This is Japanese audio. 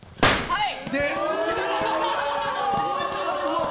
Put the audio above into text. はい！